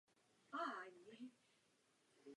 Jako příklad poslouží vadnutí.